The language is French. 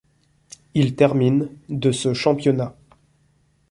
Il termine de ce championnat.